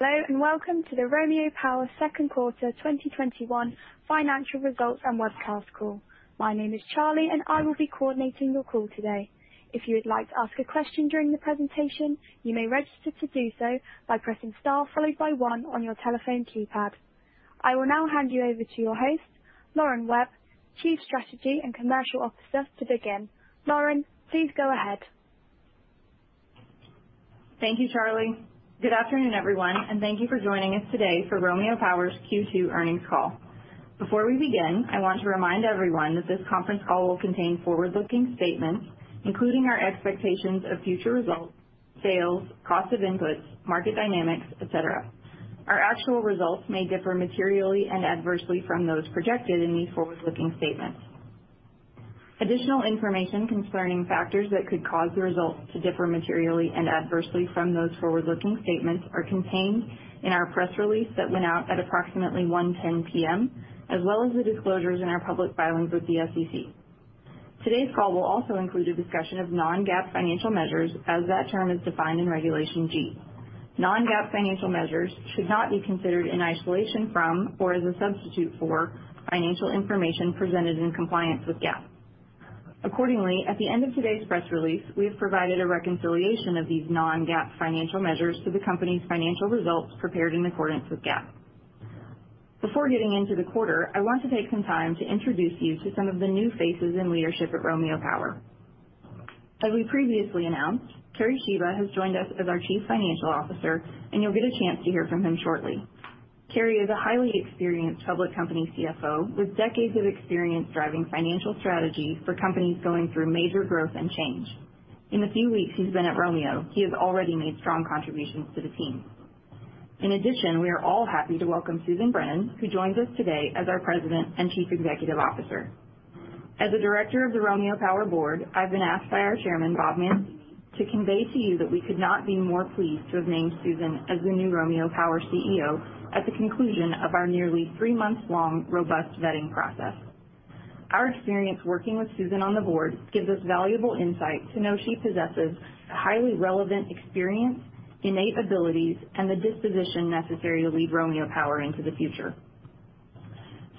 Hello, and welcome to the Romeo Power second quarter 2021 financial results and webcast call. My name is Charlie, and I will be coordinating your call today. If you would like to ask a question during the presentation, you may register to do so by pressing star, followed by one on your telephone keypad. I will now hand you over to your host, Lauren Webb, Chief Strategy and Commercial Officer, to begin. Lauren, please go ahead. Thank you, Charlie. Good afternoon, everyone, and thank you for joining us today for Romeo Power's Q2 earnings call. Before we begin, I want to remind everyone that this conference call will contain forward-looking statements, including our expectations of future results, sales, cost of inputs, market dynamics, etc. Our actual results may differ materially and adversely from those projected in these forward-looking statements. Additional information concerning factors that could cause the results to differ materially and adversely from those forward-looking statements are contained in our press release that went out at approximately 1:10 P.M., as well as the disclosures in our public filings with the SEC. Today's call will also include a discussion of non-GAAP financial measures as that term is defined in Regulation G. Non-GAAP financial measures should not be considered in isolation from or as a substitute for financial information presented in compliance with GAAP. Accordingly, at the end of today's press release, we have provided a reconciliation of these non-GAAP financial measures to the company's financial results prepared in accordance with GAAP. Before getting into the quarter, I want to take some time to introduce you to some of the new faces in leadership at Romeo Power. As we previously announced, Kerry Shiba has joined us as our Chief Financial Officer, and you'll get a chance to hear from him shortly. Kerry is a highly experienced public company CFO with decades of experience driving financial strategy for companies going through major growth and change. In the few weeks he's been at Romeo, he has already made strong contributions to the team. In addition, we are all happy to welcome Susan Brennan, who joins us today as our President and Chief Executive Officer. As a Director of the Romeo Power Board, I've been asked by our Chairman of the Board, Robert Mancini, to convey to you that we could not be more pleased to have named Susan Brennan as the new Romeo Power CEO at the conclusion of our nearly three-month-long robust vetting process. Our experience working with Susan Brennan on the Board gives us valuable insight to know she possesses the highly relevant experience, innate abilities, and the disposition necessary to lead Romeo Power into the future.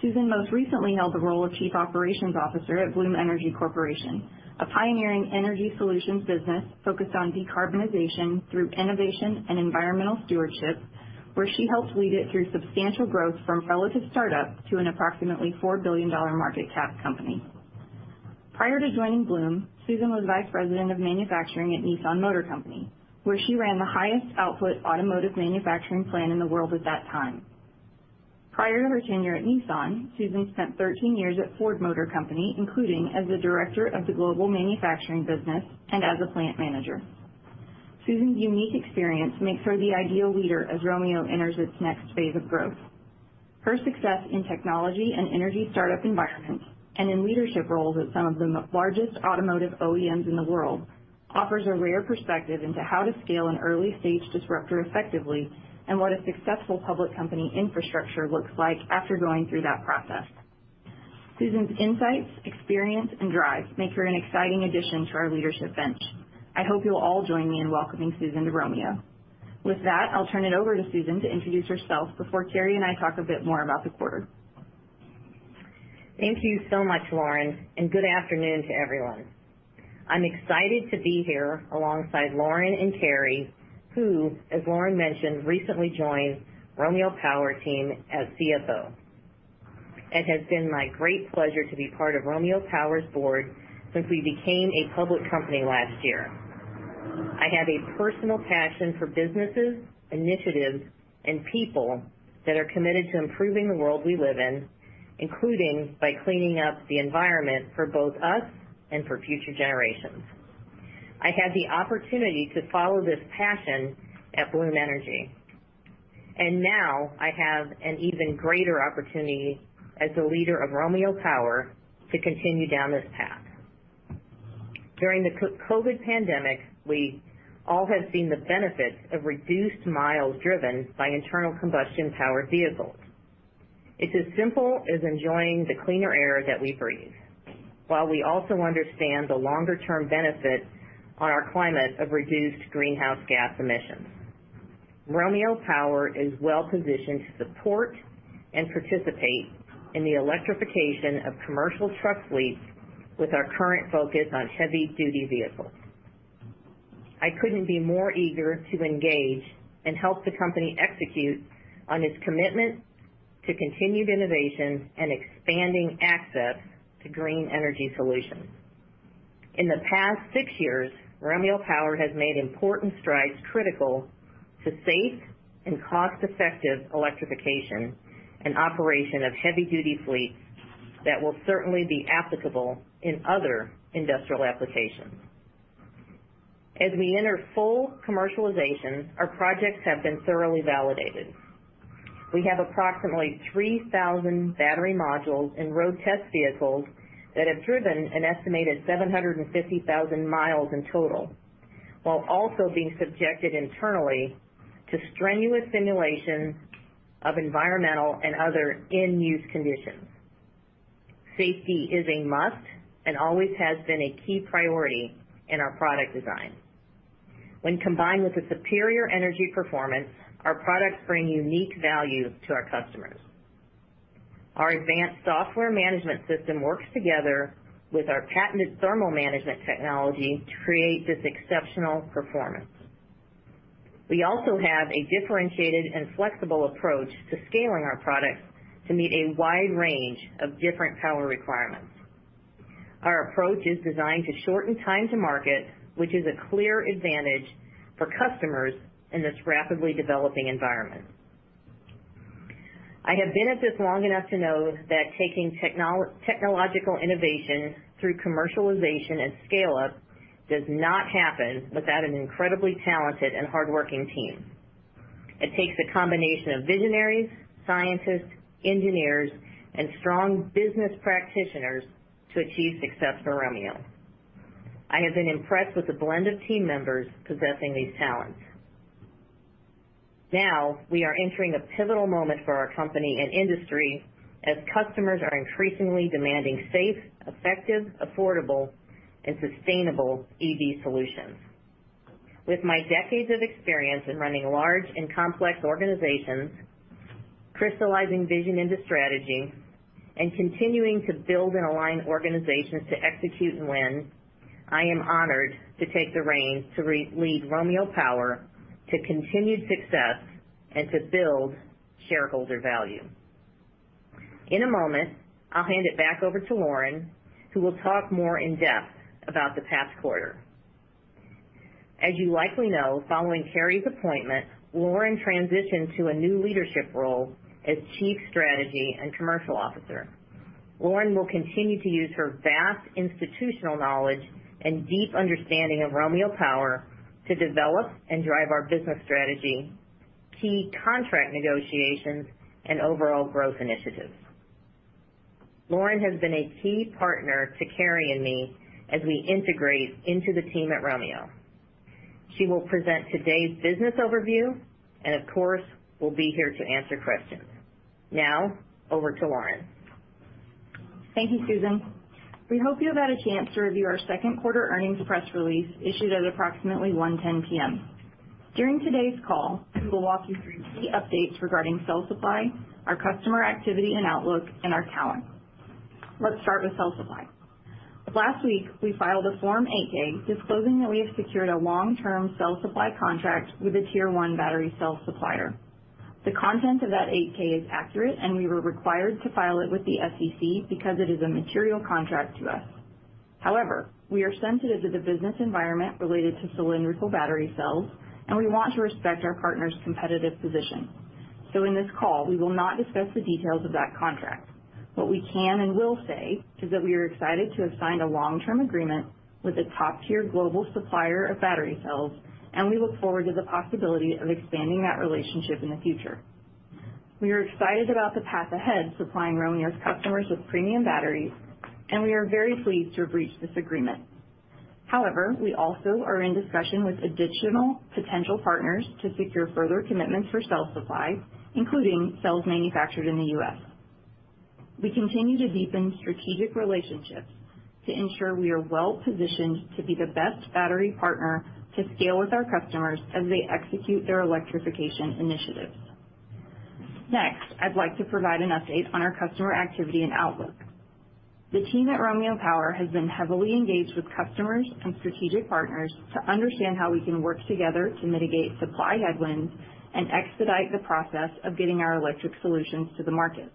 Susan Brennan most recently held the role of Chief Operations Officer at Bloom Energy Corporation, a pioneering energy solutions business focused on decarbonization through innovation and environmental stewardship, where she helped lead it through substantial growth from relative startup to an approximately $4 billion market cap company. Prior to joining Bloom Energy, Susan was Vice President of Manufacturing at Nissan Motor Co., Ltd., where she ran the highest output automotive manufacturing plant in the world at that time. Prior to her tenure at Nissan, Susan spent 13 years at Ford Motor Company, including as the Director of the Global Manufacturing Business and as a Plant Manager. Susan's unique experience makes her the ideal leader as Romeo enters its next phase of growth. Her success in technology and energy startup environments, and in leadership roles at some of the largest automotive OEMs in the world, offers a rare perspective into how to scale an early-stage disruptor effectively and what a successful public company infrastructure looks like after going through that process. Susan's insights, experience, and drive make her an exciting addition to our leadership bench. I hope you'll all join me in welcoming Susan to Romeo. With that, I'll turn it over to Susan to introduce herself before Kerry and I talk a bit more about the quarter. Thank you so much, Lauren, and good afternoon to everyone. I'm excited to be here alongside Lauren and Kerry, who, as Lauren mentioned, recently joined Romeo Power team as CFO. It has been my great pleasure to be part of Romeo Power's board since we became a public company last year. I have a personal passion for businesses, initiatives, and people that are committed to improving the world we live in, including by cleaning up the environment for both us and for future generations. I had the opportunity to follow this passion at Bloom Energy. Now I have an even greater opportunity as the leader of Romeo Power to continue down this path. During the COVID pandemic, we all have seen the benefits of reduced miles driven by internal combustion powered vehicles. It's as simple as enjoying the cleaner air that we breathe, while we also understand the longer-term benefit on our climate of reduced greenhouse gas emissions. Romeo Power is well-positioned to support and participate in the electrification of commercial truck fleets with our current focus on heavy-duty vehicles. I couldn't be more eager to engage and help the company execute on its commitment to continued innovation and expanding access to green energy solutions. In the past six years, Romeo Power has made important strides critical to safe and cost-effective electrification and operation of heavy-duty fleets that will certainly be applicable in other industrial applications. As we enter full commercialization, our projects have been thoroughly validated. We have approximately 3,000 battery modules in road test vehicles that have driven an estimated 750,000 miles in total, while also being subjected internally to strenuous simulations of environmental and other in-use conditions. Safety is a must and always has been a key priority in our product design. When combined with the superior energy performance, our products bring unique value to our customers. Our advanced software management system works together with our patented thermal management technology to create this exceptional performance. We also have a differentiated and flexible approach to scaling our products to meet a wide range of different power requirements. Our approach is designed to shorten time to market, which is a clear advantage for customers in this rapidly developing environment. I have been at this long enough to know that taking technological innovation through commercialization and scale-up does not happen without an incredibly talented and hardworking team. It takes a combination of visionaries, scientists, engineers, and strong business practitioners to achieve success for Romeo. I have been impressed with the blend of team members possessing these talents. Now, we are entering a pivotal moment for our company and industry as customers are increasingly demanding safe, effective, affordable, and sustainable EV solutions. With my decades of experience in running large and complex organizations, crystallizing vision into strategy, and continuing to build and align organizations to execute and win, I am honored to take the reins to lead Romeo Power to continued success and to build shareholder value. In a moment, I'll hand it back over to Lauren, who will talk more in depth about the past quarter. As you likely know, following Kerry's appointment, Lauren transitioned to a new leadership role as Chief Strategy and Commercial Officer. Lauren will continue to use her vast institutional knowledge and deep understanding of Romeo Power to develop and drive our business strategy, key contract negotiations, and overall growth initiatives. Lauren has been a key partner to Kerry and me as we integrate into the team at Romeo. She will present today's business overview and, of course, will be here to answer questions. Now, over to Lauren. Thank you, Susan. We hope you had a chance to review our second quarter earnings press release issued at approximately 1:10 P.M. During today's call, we will walk you through key updates regarding cell supply, our customer activity and outlook, and our talent. Let's start with cell supply. Last week, we filed a Form 8-K disclosing that we have secured a long-term cell supply contract with a Tier 1 battery cell supplier. The content of that 8-K is accurate, and we were required to file it with the SEC because it is a material contract to us. However, we are sensitive to the business environment related to cylindrical battery cells, and we want to respect our partner's competitive position. In this call, we will not discuss the details of that contract. What we can and will say is that we are excited to have signed a long-term agreement with a top-tier global supplier of battery cells, and we look forward to the possibility of expanding that relationship in the future. We are excited about the path ahead supplying Romeo's customers with premium batteries, and we are very pleased to have reached this agreement. However, we also are in discussion with additional potential partners to secure further commitments for cell supply, including cells manufactured in the U.S. We continue to deepen strategic relationships to ensure we are well-positioned to be the best battery partner to scale with our customers as they execute their electrification initiatives. Next, I'd like to provide an update on our customer activity and outlook. The team at Romeo Power has been heavily engaged with customers and strategic partners to understand how we can work together to mitigate supply headwinds and expedite the process of getting our electric solutions to the market.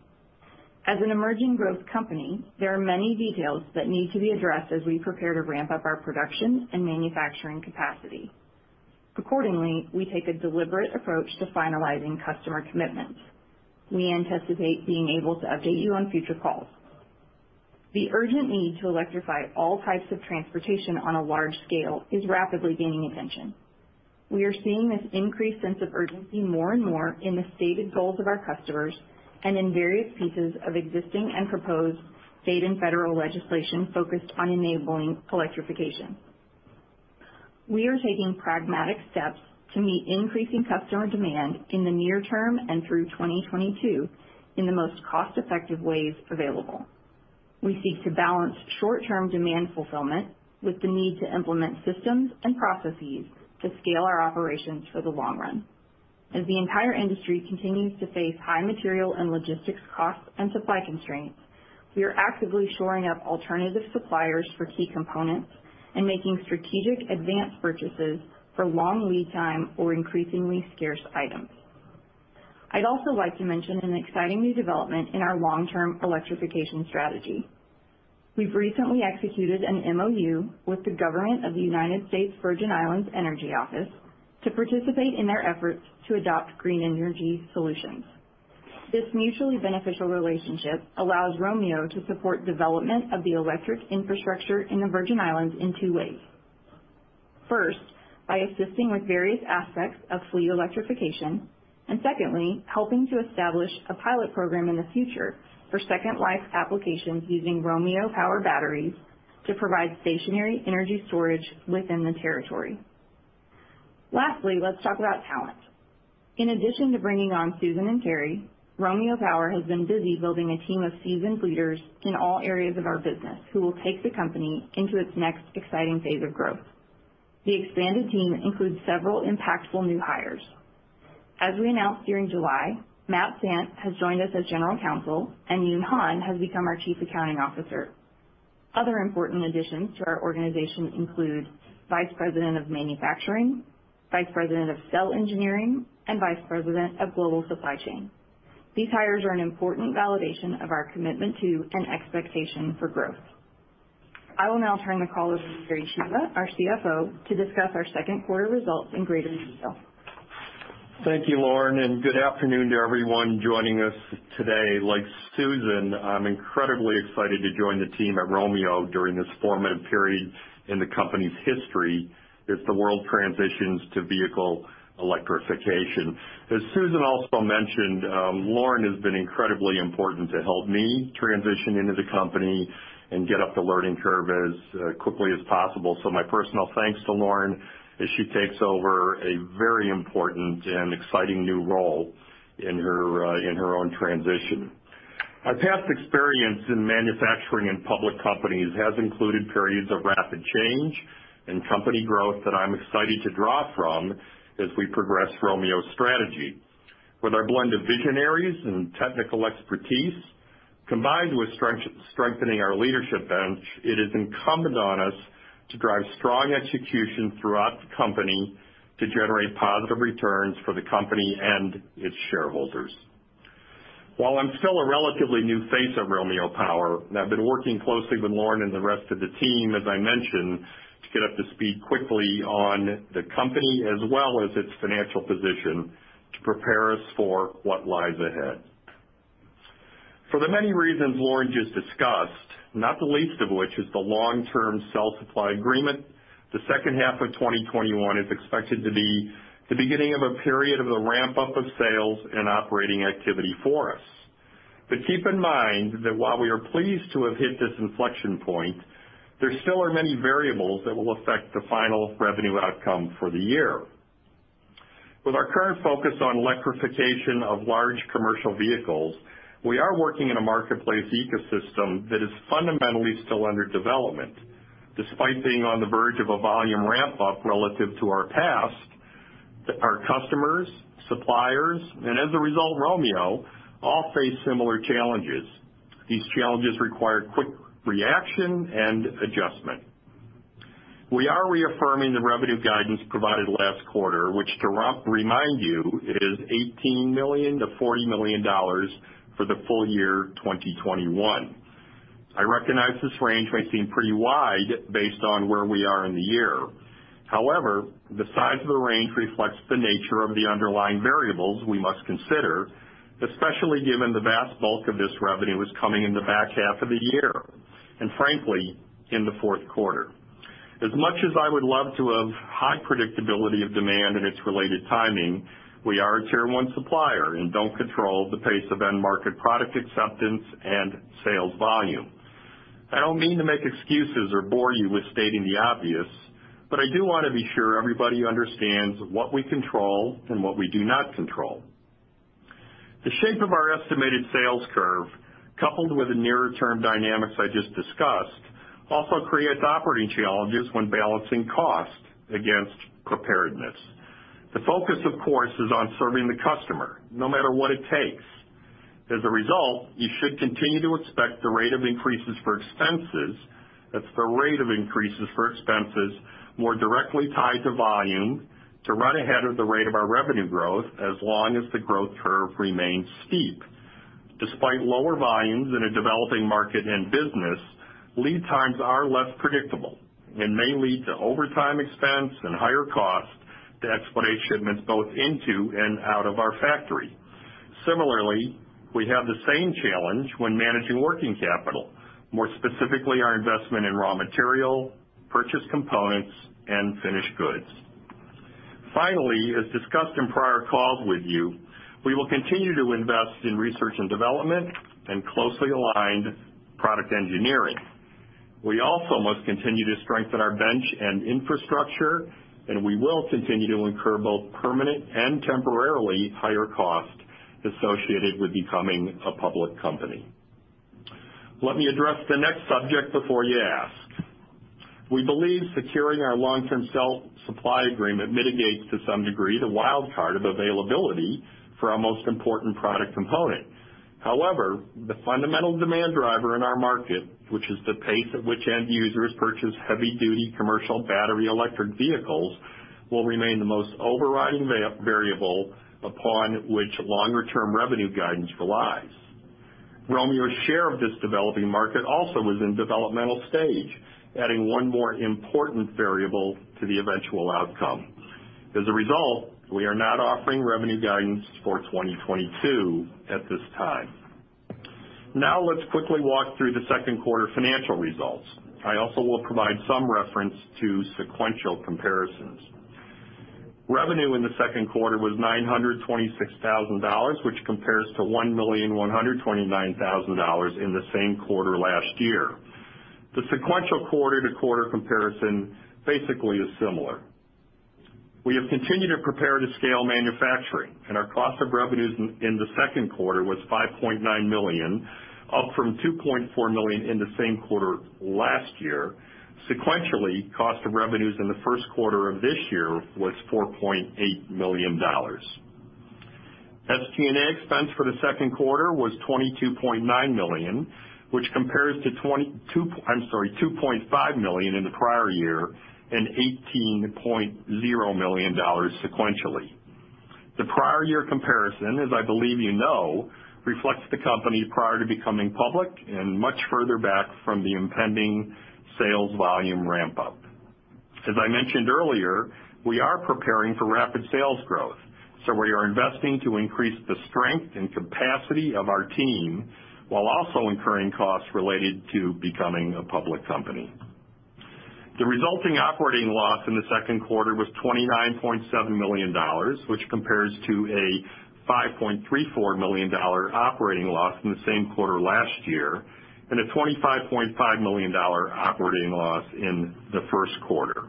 As an emerging growth company, there are many details that need to be addressed as we prepare to ramp up our production and manufacturing capacity. Accordingly, we take a deliberate approach to finalizing customer commitments. We anticipate being able to update you on future calls. The urgent need to electrify all types of transportation on a large scale is rapidly gaining attention. We are seeing this increased sense of urgency more and more in the stated goals of our customers and in various pieces of existing and proposed state and federal legislation focused on enabling electrification. We are taking pragmatic steps to meet increasing customer demand in the near-term and through 2022 in the most cost-effective ways available. We seek to balance short-term demand fulfillment with the need to implement systems and processes to scale our operations for the long run. As the entire industry continues to face high material and logistics costs and supply constraints, we are actively shoring up alternative suppliers for key components and making strategic advance purchases for long lead time or increasingly scarce items. I'd also like to mention an exciting new development in our long-term electrification strategy. We've recently executed an MoU with the government of the Virgin Islands Energy Office to participate in their efforts to adopt green energy solutions. This mutually beneficial relationship allows Romeo to support development of the electric infrastructure in the Virgin Islands in two ways. By assisting with various aspects of fleet electrification, and secondly, helping to establish a pilot program in the future for second life applications using Romeo Power batteries to provide stationary energy storage within the territory. Let's talk about talent. In addition to bringing on Susan and Kerry, Romeo Power has been busy building a team of seasoned leaders in all areas of our business who will take the company into its next exciting phase of growth. The expanded team includes several impactful new hires. As we announced during July, Matthew Sant has joined us as General Counsel, and Yun Han has become our Chief Accounting Officer. Other important additions to our organization include Vice President of Manufacturing, Vice President of Cell Engineering, and Vice President of Global Supply Chain. These hires are an important validation of our commitment to and expectation for growth. I will now turn the call over to Kerry Shiba, our CFO, to discuss our second quarter results in greater detail. Thank you, Lauren, and good afternoon to everyone joining us today. Like Susan, I'm incredibly excited to join the team at Romeo during this formative period in the company's history as the world transitions to vehicle electrification. As Susan also mentioned, Lauren has been incredibly important to help me transition into the company and get up the learning curve as quickly as possible. My personal thanks to Lauren as she takes over a very important and exciting new role in her own transition. Our past experience in manufacturing in public companies has included periods of rapid change and company growth that I'm excited to draw from as we progress Romeo's strategy. With our blend of visionaries and technical expertise, combined with strengthening our leadership bench, it is incumbent on us to drive strong execution throughout the company to generate positive returns for the company and its shareholders. While I'm still a relatively new face at Romeo Power, and I've been working closely with Lauren and the rest of the team, as I mentioned, to get up to speed quickly on the company as well as its financial position to prepare us for what lies ahead. For the many reasons Lauren just discussed, not the least of which is the long-term cell supply agreement, the second half of 2021 is expected to be the beginning of a period of the ramp-up of sales and operating activity for us. Keep in mind that while we are pleased to have hit this inflection point, there still are many variables that will affect the final revenue outcome for the year. With our current focus on electrification of large commercial vehicles, we are working in a marketplace ecosystem that is fundamentally still under development. Despite being on the verge of a volume ramp-up relative to our past, our customers, suppliers, and as a result, Romeo, all face similar challenges. These challenges require quick reaction and adjustment. We are reaffirming the revenue guidance provided last quarter, which to remind you, is $18 million-$40 million for the full year 2021. I recognize this range may seem pretty wide based on where we are in the year. However, the size of the range reflects the nature of the underlying variables we must consider, especially given the vast bulk of this revenue is coming in the back half of the year, and frankly, in the fourth quarter. As much as I would love to have high predictability of demand and its related timing, we are a Tier-1 supplier and don't control the pace of end market product acceptance and sales volume. I don't mean to make excuses or bore you with stating the obvious. I do want to be sure everybody understands what we control and what we do not control. The shape of our estimated sales curve, coupled with the nearer-term dynamics I just discussed, also creates operating challenges when balancing cost against preparedness. The focus, of course, is on serving the customer, no matter what it takes. As a result, you should continue to expect the rate of increases for expenses, that's the rate of increases for expenses, more directly tied to volume to run ahead of the rate of our revenue growth as long as the growth curve remains steep. Despite lower volumes in a developing market and business, lead times are less predictable and may lead to overtime expense and higher cost to expedite shipments both into and out of our factory. Similarly, we have the same challenge when managing working capital, more specifically our investment in raw material, purchased components, and finished goods. Finally, as discussed in prior calls with you, we will continue to invest in research and development and closely aligned product engineering. We also must continue to strengthen our bench and infrastructure, we will continue to incur both permanent and temporarily higher cost associated with becoming a public company. Let me address the next subject before you ask. We believe securing our long-term cell supply agreement mitigates to some degree the wild card of availability for our most important product component. The fundamental demand driver in our market, which is the pace at which end users purchase heavy-duty commercial battery electric vehicles, will remain the most overriding variable upon which longer-term revenue guidance relies. Romeo's share of this developing market also is in developmental stage, adding one more important variable to the eventual outcome. We are not offering revenue guidance for 2022 at this time. Let's quickly walk through the second quarter financial results. I also will provide some reference to sequential comparisons. Revenue in the second quarter was $926,000, which compares to $1,129,000 in the same quarter last year. The sequential quarter-to-quarter comparison basically is similar. We have continued to prepare to scale manufacturing, our cost of revenues in the second quarter was $5.9 million, up from $2.4 million in the same quarter last year. Cost of revenues in the first quarter of this year was $4.8 million. SG&A expense for the second quarter was $22.9 million, which compares to $2.5 million in the prior year and $18.0 million sequentially. The prior year comparison, as I believe you know, reflects the company prior to becoming public and much further back from the impending sales volume ramp-up. As I mentioned earlier, we are preparing for rapid sales growth, so we are investing to increase the strength and capacity of our team while also incurring costs related to becoming a public company. The resulting operating loss in the second quarter was $29.7 million, which compares to a $5.34 million operating loss in the same quarter last year and a $25.5 million operating loss in the first quarter.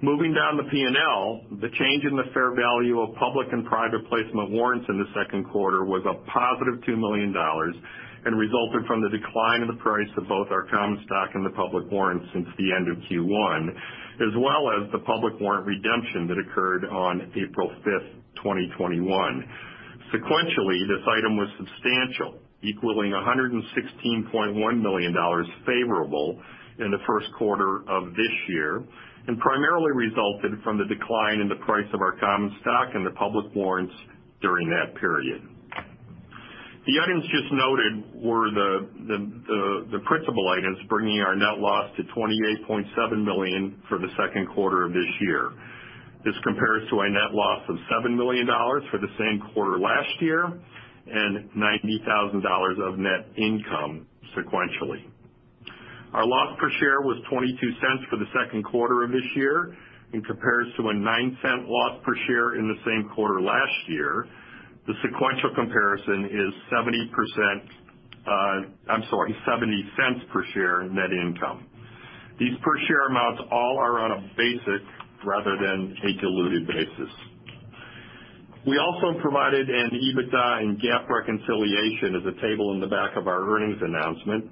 Moving down the P&L, the change in the fair value of public and private placement warrants in the second quarter was a +$2 million and resulted from the decline in the price of both our common stock and the public warrants since the end of Q1, as well as the public warrant redemption that occurred on April 5th, 2021. Sequentially, this item was substantial, equaling $116.1 million favorable in the first quarter of this year and primarily resulted from the decline in the price of our common stock and the public warrants during that period. The items just noted were the principal items, bringing our net loss to $28.7 million for the second quarter of this year. This compares to a net loss of $7 million for the same quarter last year and $90,000 of net income sequentially. Our loss per share was $0.22 for the second quarter of this year and compares to a $0.09 loss per share in the same quarter last year. The sequential comparison is $0.70 per share net income. These per share amounts all are on a basic rather than a diluted basis. We also provided an EBITDA and GAAP reconciliation as a table in the back of our earnings announcement.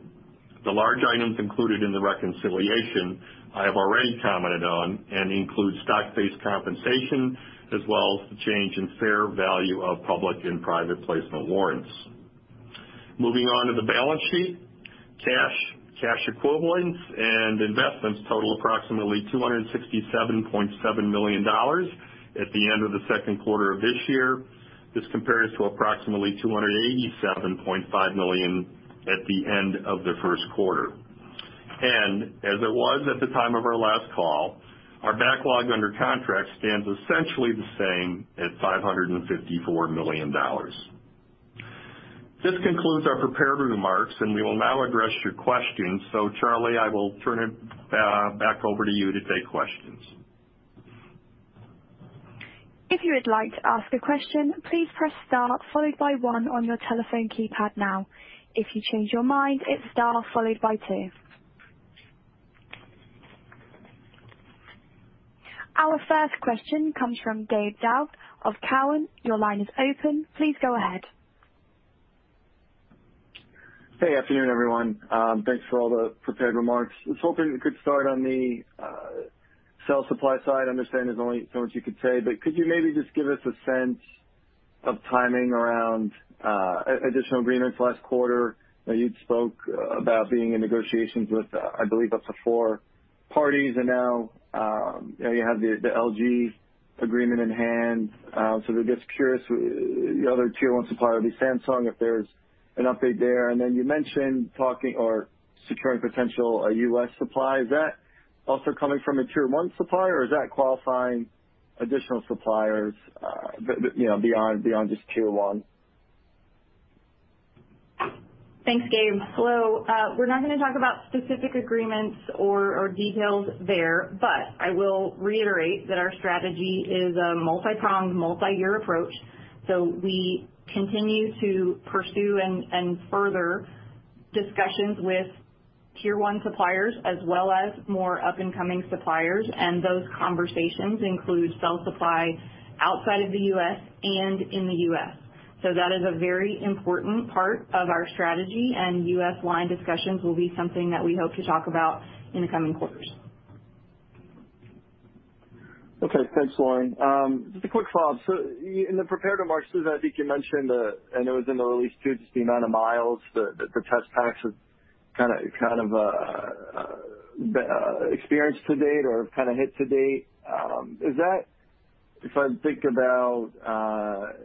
The large items included in the reconciliation I have already commented on and include stock-based compensation as well as the change in fair value of public and private placement warrants. Moving on to the balance sheet. Cash, cash equivalents, and investments total approximately $267.7 million at the end of the second quarter of this year. This compares to approximately $287.5 million at the end of the first quarter. As it was at the time of our last call, our backlog under contract stands essentially the same at $554 million. This concludes our prepared remarks, and we will now address your questions. Charlie, I will turn it back over to you to take questions. If you would like to ask a question, please press star followed by one on your telephone keypad now. If you change your mind, it's star followed by two. Our first question comes from Gabe Daoud of Cowen. Your line is open. Please go ahead. Hey, afternoon, everyone. Thanks for all the prepared remarks. I was hoping we could start on the cell supply side. I understand there's only so much you could say, but could you maybe just give us a sense of timing around additional agreements last quarter? You spoke about being in negotiations with, I believe, up to four parties. Now you have the LG agreement in hand. Just curious, the other Tier-1 supplier would be Samsung, if there's an update there. Then you mentioned talking or securing potential U.S. supply. Is that also coming from a Tier-1 supplier, or is that qualifying additional suppliers beyond just Tier 1? Thanks, Gabe. Hello. We're not going to talk about specific agreements or details there. I will reiterate that our strategy is a multi-pronged, multi-year approach. We continue to pursue and further discussions with Tier-1 suppliers as well as more up-and-coming suppliers. Those conversations include cell supply outside of the U.S. and in the U.S. That is a very important part of our strategy. U.S. line discussions will be something that we hope to talk about in the coming quarters. Thanks, Lauren. Just a quick follow-up. In the prepared remarks, Susan, I think you mentioned, and it was in the release too, just the amount of miles that the test packs have experienced to date or hit to date. If I think about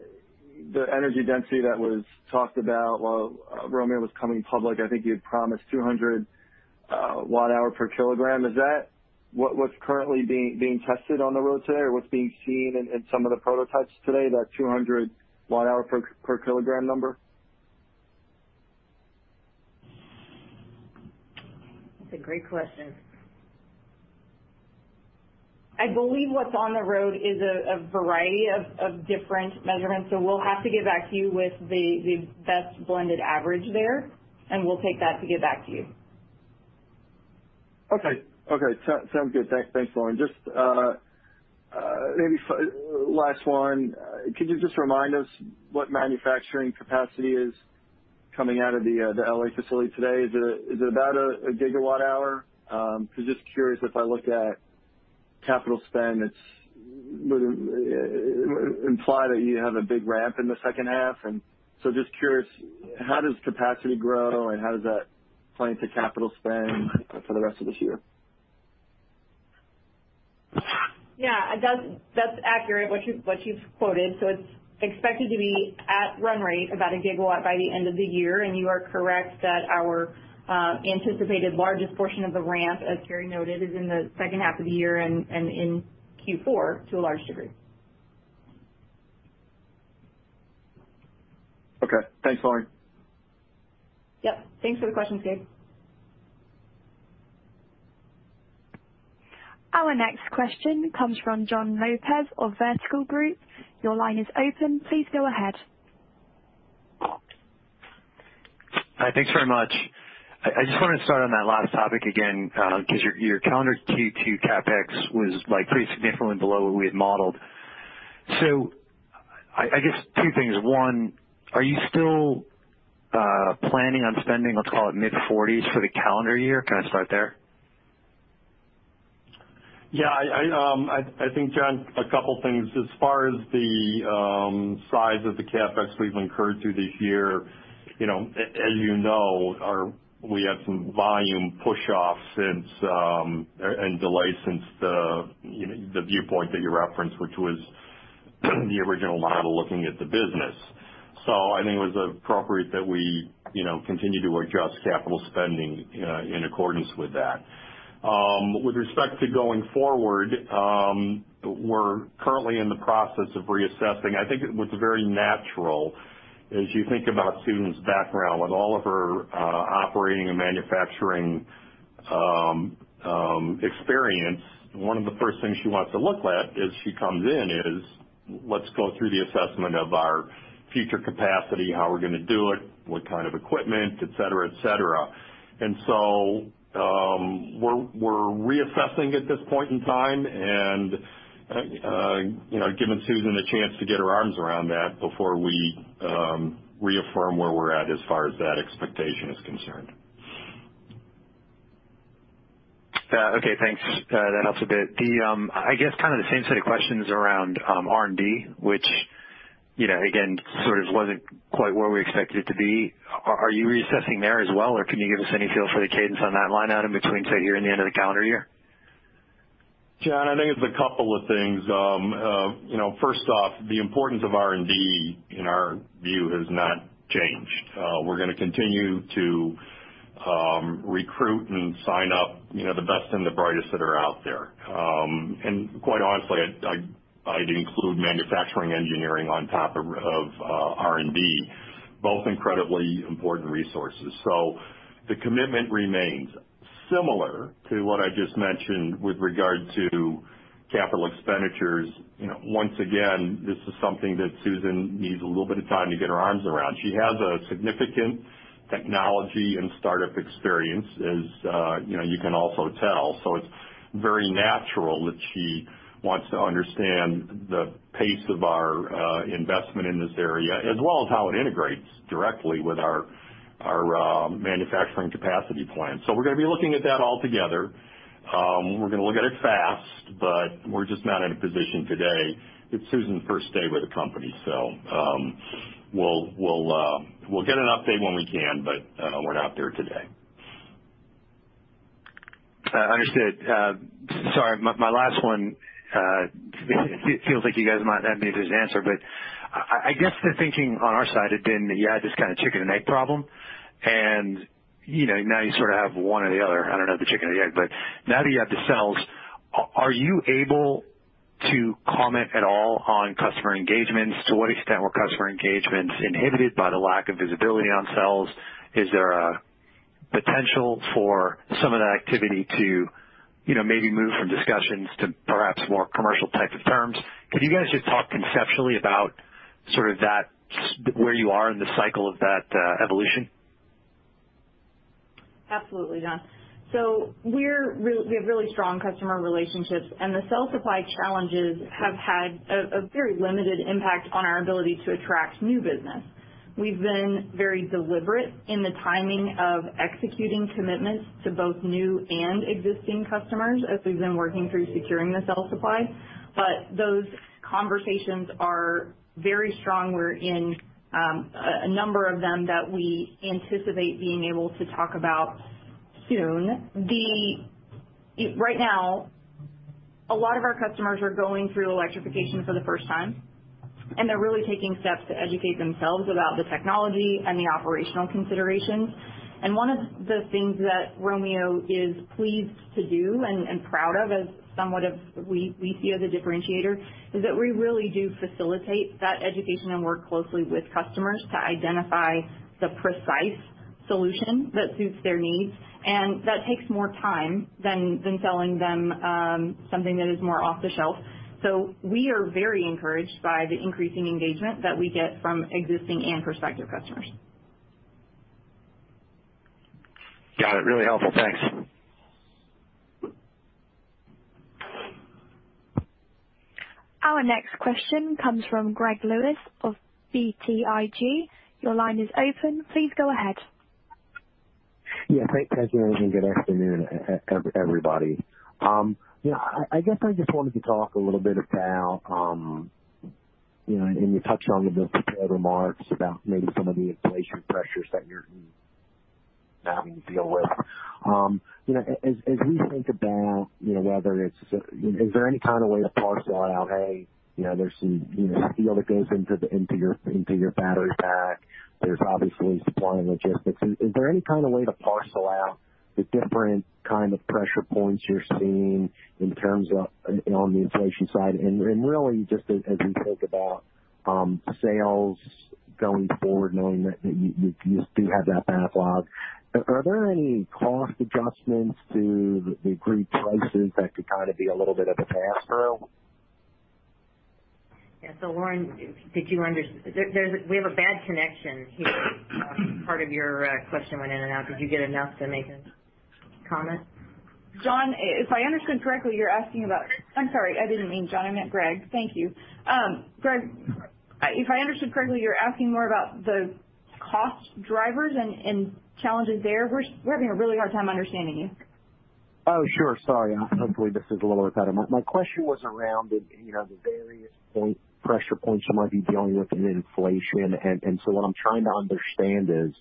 the energy density that was talked about while Romeo was coming public, I think you had promised 200 Wh/kg. Is that what's currently being tested on the roads today, or what's being seen in some of the prototypes today, that 200 Wh/kg number? That's a great question. I believe what's on the road is a variety of different measurements. We'll have to get back to you with the best blended average there, and we'll take that to get back to you. Okay. Sounds good. Thanks, Lauren. Just maybe last one. Could you just remind us what manufacturing capacity is coming out of the L.A. facility today? Is it about 1 GWh? Just curious, if I look at capital spend, it would imply that you have a big ramp in the second half, and so just curious, how does capacity grow and how does that play into capital spend for the rest of this year? Yeah. That's accurate, what you've quoted. It's expected to be at run rate about a gigawatt by the end of the year. You are correct that our anticipated largest portion of the ramp, as Kerry noted, is in the second half of the year and in Q4 to a large degree. Okay. Thanks, Lauren. Yep. Thanks for the question, Gabe. Our next question comes from Jon Lopez of Vertical Group. Your line is open. Please go ahead. Hi. Thanks very much. I just want to start on that last topic again, because your calendar Q2 CapEx was pretty significantly below what we had modeled. I guess two things. One, are you still planning on spending, let's call it mid-$40s for the calendar year? Can I start there? Yeah. I think, Jon, a couple things. As far as the size of the CapEx we've incurred through this year, as you know, we had some volume pushoff and delay since the viewpoint that you referenced, which was the original model looking at the business. I think it was appropriate that we continue to adjust capital spending in accordance with that. With respect to going forward, we're currently in the process of reassessing. I think it was very natural as you think about Susan's background with all of her operating and manufacturing experience, one of the first things she wants to look at as she comes in is, let's go through the assessment of our future capacity, how we're going to do it, what kind of equipment, etc. We're reassessing at this point in time and giving Susan a chance to get her arms around that before we reaffirm where we're at as far as that expectation is concerned. Okay, thanks. That helps a bit. I guess kind of the same set of questions around R&D, which, again, sort of wasn't quite where we expected it to be. Are you reassessing there as well, or can you give us any feel for the cadence on that line item between say here and the end of the calendar year? Jon, I think it's a couple of things. First off, the importance of R&D in our view has not changed. We're going to continue to recruit and sign up the best and the brightest that are out there. Quite honestly, I'd include manufacturing engineering on top of R&D, both incredibly important resources. The commitment remains similar to what I just mentioned with regard to capital expenditures. Once again, this is something that Susan needs a little bit of time to get her arms around. She has a significant technology and startup experience, as you can also tell. It's very natural that she wants to understand the pace of our investment in this area, as well as how it integrates directly with our manufacturing capacity plan. We're going to be looking at that altogether. We're going to look at it fast, but we're just not in a position today. It's Susan's first day with the company, so we'll get an update when we can, but we're not there today. Understood. Sorry, my last one. It feels like you guys might not need this answer, but I guess the thinking on our side had been that you had this kind of chicken and egg problem, and now you sort of have one or the other. I don't know if the chicken or the egg, but now that you have the cells, are you able to comment at all on customer engagements? To what extent were customer engagements inhibited by the lack of visibility on cells? Is there a potential for some of that activity to maybe move from discussions to perhaps more commercial types of terms? Could you guys just talk conceptually about sort of where you are in the cycle of that evolution? Absolutely, Jon. We have really strong customer relationships, and the cell supply challenges have had a very limited impact on our ability to attract new business. We've been very deliberate in the timing of executing commitments to both new and existing customers as we've been working through securing the cell supply. Those conversations are very strong. We're in a number of them that we anticipate being able to talk about soon. Right now, a lot of our customers are going through electrification for the first time, and they're really taking steps to educate themselves about the technology and the operational considerations. One of the things that Romeo is pleased to do and proud of as somewhat of we see as a differentiator, is that we really do facilitate that education and work closely with customers to identify the precise solution that suits their needs, and that takes more time than selling them something that is more off the shelf. We are very encouraged by the increasing engagement that we get from existing and prospective customers. Got it. Really helpful. Thanks. Our next question comes from Gregory Lewis of BTIG. Your line is open. Please go ahead. Yeah. Thanks, operator. Good afternoon, everybody. I guess I just wanted to talk a little bit about, and you touched on it in the prepared remarks about maybe some of the inflation pressures that you're having to deal with. As we think about, is there any way to parcel out, hey, there's steel that goes into your battery pack. There's obviously supply and logistics. Is there any way to parcel out the different kind of pressure points you're seeing in terms of on the inflation side? Really, just as we think about sales going forward, knowing that you do have that backlog, are there any cost adjustments to the agreed prices that could be a little bit of a pass-through? Yeah. Lauren, we have a bad connection here. Part of your question went in and out. Did you get enough to make a comment? Jon, if I understand correctly, you're asking about, I'm sorry. I didn't mean Jon. I meant Greg. Thank you. Greg, if I understand correctly, you're asking more about the cost drivers and challenges there? We're having a really hard time understanding you. Oh, sure. Sorry. Hopefully, this is a little better. My question was around the various pressure points you might be dealing with in inflation. What I'm trying to understand is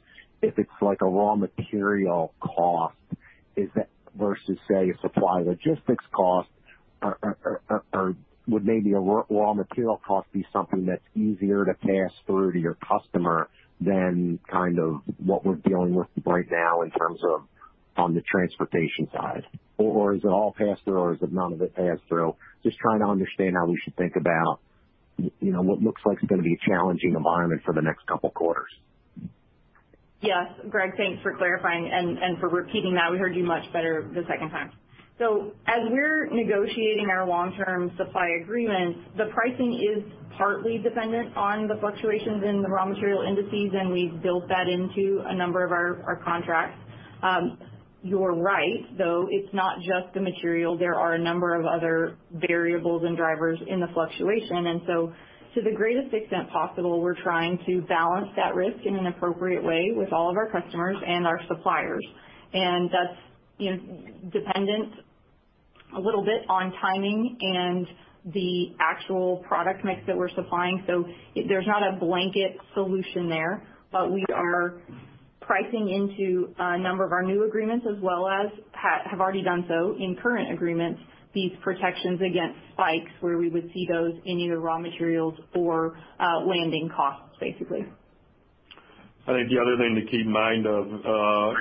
if it's like a raw material cost versus, say, supply logistics cost, or would maybe a raw material cost be something that's easier to pass through to your customer than what we're dealing with right now in terms of on the transportation side? Is it all pass-through, or is it none of it pass-through? Just trying to understand how we should think about what looks like it's going to be a challenging environment for the next couple of quarters. Yes. Greg, thanks for clarifying and for repeating that. We heard you much better the second time. As we're negotiating our long-term supply agreements, the pricing is partly dependent on the fluctuations in the raw material indices, and we've built that into a number of our contracts. You're right, though it's not just the material. There are a number of other variables and drivers in the fluctuation. To the greatest extent possible, we're trying to balance that risk in an appropriate way with all of our customers and our suppliers. That's dependent a little bit on timing and the actual product mix that we're supplying. There's not a blanket solution there, but we are pricing into a number of our new agreements, as well as have already done so in current agreements, these protections against spikes where we would see those in either raw materials or landing costs, basically. I think the other thing to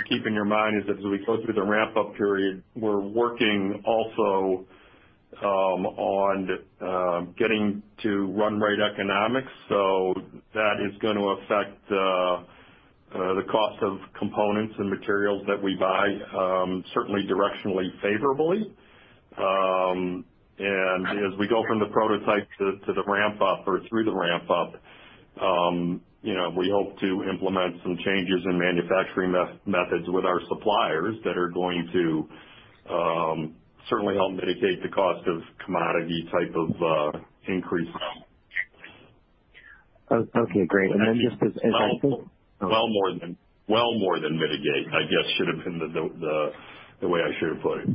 keep in your mind is as we go through the ramp-up period, we're working also on getting to run rate economics. That is going to affect the cost of components and materials that we buy, certainly directionally favorably. As we go from the prototype to the ramp-up or through the ramp-up, we hope to implement some changes in manufacturing methods with our suppliers that are going to certainly help mitigate the cost of commodity type of increase. Okay, great. Well more than mitigate, I guess, should have been the way I should have put it.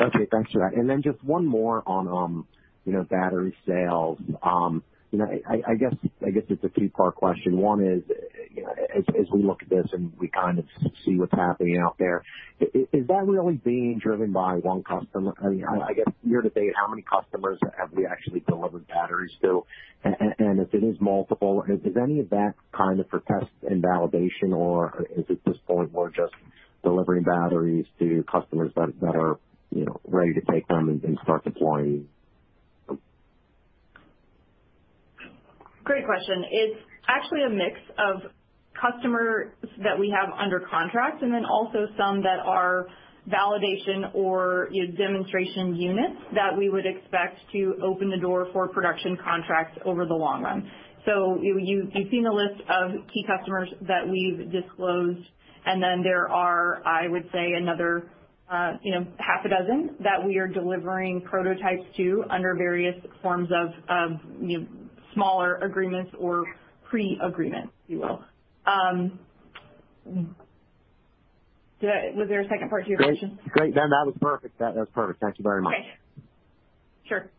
Okay, thanks for that. Just one more on battery sales. I guess it's a two-part question. One is, as we look at this and we see what's happening out there, is that really being driven by one customer? I guess year-to-date, how many customers have we actually delivered batteries to? If it is multiple, is any of that for test and validation, or is it this point where we're just delivering batteries to customers that are ready to take them and start deploying? Great question. It's actually a mix of customers that we have under contract and then also some that are validation or demonstration units that we would expect to open the door for production contracts over the long run. You've seen the list of key customers that we've disclosed, and then there are, I would say, another half a dozen that we are delivering prototypes to under various forms of smaller agreements or pre-agreements, if you will. Was there a second part to your question? Great. That was perfect. Thank you very much. Okay. Sure.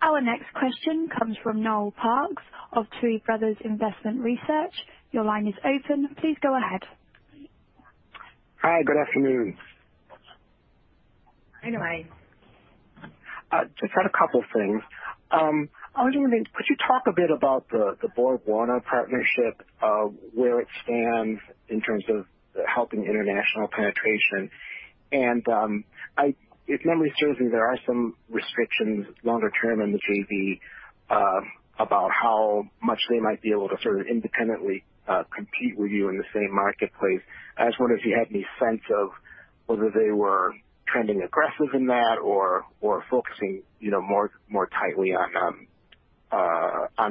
Our next question comes from Noel Parks of Tuohy Brothers Investment Research. Your line is open. Please go ahead. Hi. Good afternoon. Hi, Noel. Just had a couple things. I was wondering, could you talk a bit about the BorgWarner partnership, where it stands in terms of helping international penetration? If memory serves me, there are some restrictions longer-term in the JV about how much they might be able to independently compete with you in the same marketplace. I just wonder if you had any sense of whether they were trending aggressive in that or focusing more tightly on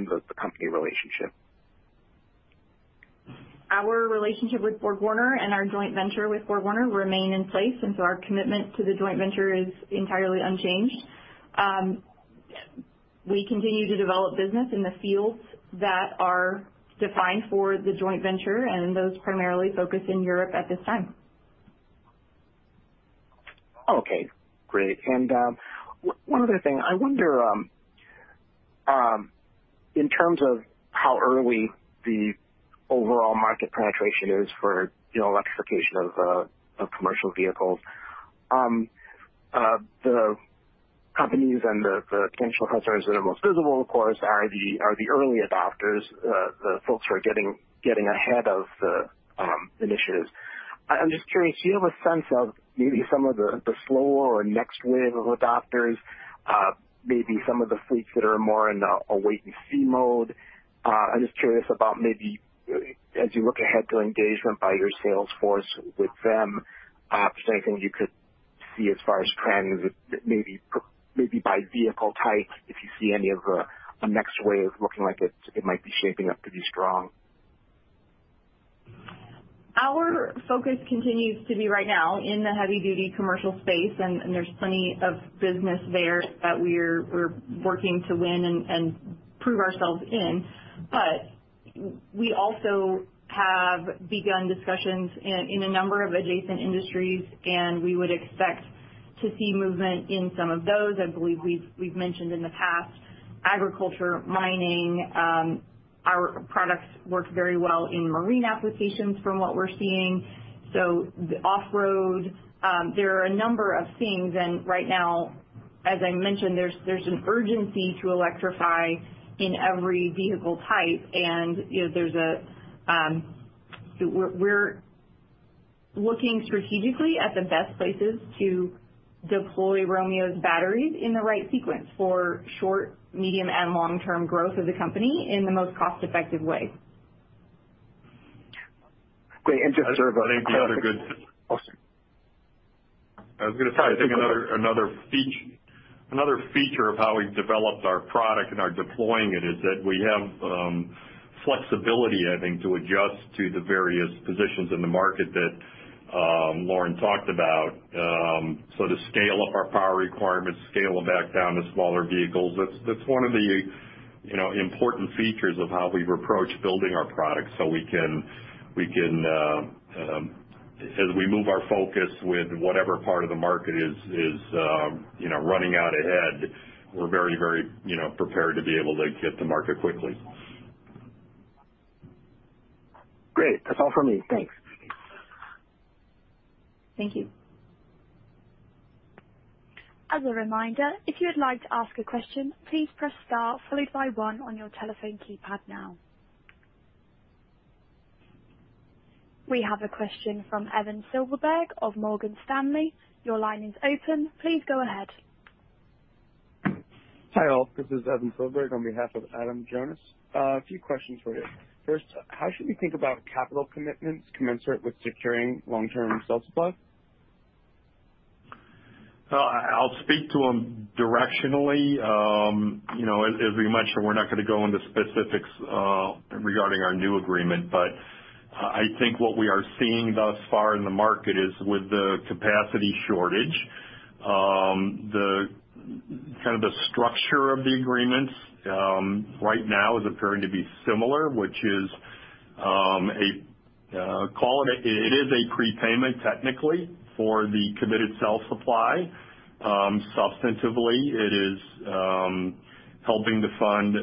the company relationship. Our relationship with BorgWarner and our joint venture with BorgWarner remain in place, and so our commitment to the joint venture is entirely unchanged. We continue to develop business in the fields that are defined for the joint venture and those primarily focused in Europe at this time. Okay, great. One other thing. I wonder in terms of how early the overall market penetration is for electrification of commercial vehicles. The companies and the potential customers that are most visible, of course, are the early adopters, the folks who are getting ahead of the initiatives. I'm just curious, do you have a sense of maybe some of the slower or next wave of adopters, maybe some of the fleets that are more in a wait-and-see mode? I'm just curious about maybe as you look ahead to engagement by your sales force with them, if there's anything you could see as far as trends, maybe by vehicle types, if you see any of a next wave looking like it might be shaping up to be strong. Our focus continues to be right now in the heavy-duty commercial space, and there's plenty of business there that we're working to win and prove ourselves in. We also have begun discussions in a number of adjacent industries, and we would expect to see movement in some of those. I believe we've mentioned in the past, agriculture, mining. Our products work very well in marine applications from what we're seeing, off-road. There are a number of things, and right now, as I mentioned, there's an urgency to electrify in every vehicle type. We're looking strategically at the best places to deploy Romeo's batteries in the right sequence for short, medium, and long-term growth of the company in the most cost-effective way. Great. I think another good- Awesome. I was going to say, I think another feature of how we've developed our product and are deploying it is that we have flexibility, I think, to adjust to the various positions in the market that Lauren talked about. To scale up our power requirements, scale them back down to smaller vehicles. That's one of the important features of how we've approached building our product so we can, as we move our focus with whatever part of the market is running out ahead, we're very prepared to be able to hit the market quickly. Great. That's all for me. Thanks. Thank you. As a reminder, if you would like to ask a question, please press star followed by one on your telephone keypad now. We have a question from Evan Silverberg of Morgan Stanley. Your line is open. Please go ahead. Hi, all. This is Evan Silverberg on behalf of Adam Jonas. A few questions for you. First, how should we think about capital commitments commensurate with securing long-term cell supply? I'll speak to them directionally. As we mentioned, we're not going to go into specifics regarding our new agreement, but I think what we are seeing thus far in the market is with the capacity shortage. The structure of the agreements right now is appearing to be similar, which is, call it a prepayment technically for the committed cell supply. Substantively, it is helping to fund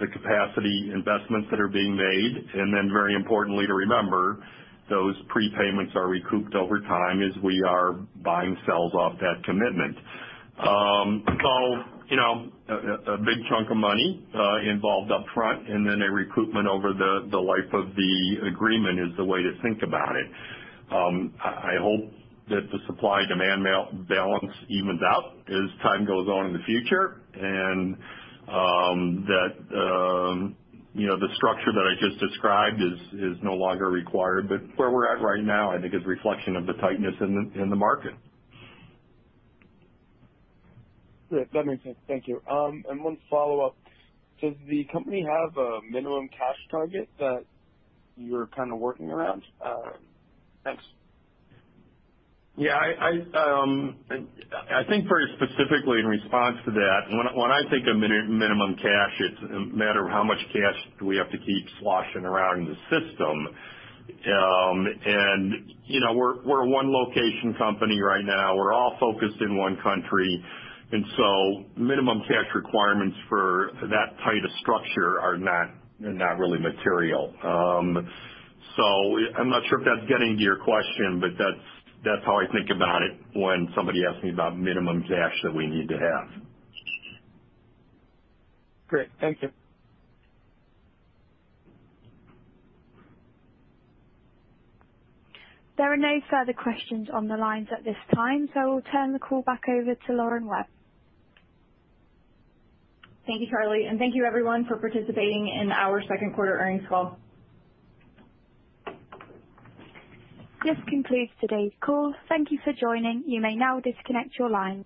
the capacity investments that are being made. Very importantly to remember, those prepayments are recouped over time as we are buying cells off that commitment. A big chunk of money involved up front and then a recoupment over the life of the agreement is the way to think about it. I hope that the supply-demand balance evens out as time goes on in the future, and that the structure that I just described is no longer required. Where we're at right now, I think, is a reflection of the tightness in the market. Great. That makes sense. Thank you. One follow-up. Does the company have a minimum cash target that you're working around? Thanks. Yeah. I think very specifically in response to that, when I think of minimum cash, it's a matter of how much cash do we have to keep sloshing around in the system. We're a one-location company right now. We're all focused in one country, and so minimum cash requirements for that type of structure are not really material. I'm not sure if that's getting to your question, but that's how I think about it when somebody asks me about minimum cash that we need to have. Great. Thank you. There are no further questions on the lines at this time. I will turn the call back over to Lauren Webb. Thank you, Charlie, and thank you everyone for participating in our second quarter earnings call. This concludes today's call. Thank you for joining. You may now disconnect your lines.